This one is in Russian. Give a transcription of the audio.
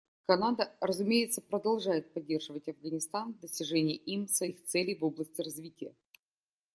Канада, разумеется, продолжает поддерживать Афганистан в достижении им своих целей в области развития.